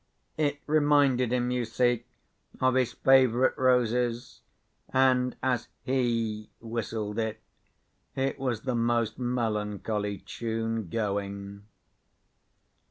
It reminded him, you see, of his favourite roses, and, as he whistled it, it was the most melancholy tune going.